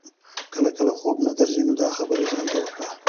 که کله خوب نه درځي نو دا خبرې ځان ته وکړه.